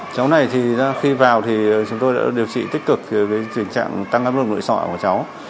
cháu này khi vào thì chúng tôi đã điều trị tích cực với tình trạng tăng cấp lượng nội sọ của cháu